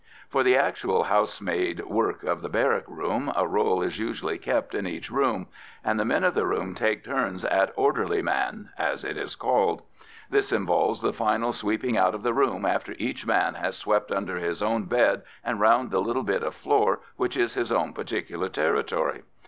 For the actual housemaid work of the barrack room, a roll is usually kept in each room, and the men of the room take turns at "orderly man," as it is called. This involves the final sweeping out of the room after each man has swept under his own bed and round the little bit of floor which is his own particular territory.